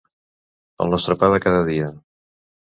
El nostre pa de cada dia.